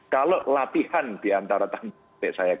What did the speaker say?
kalau latihan diantara tempat saya kata